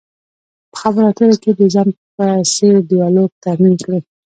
په خبرو اترو کې د ځان په څېر ډیالوګ تمرین کړئ.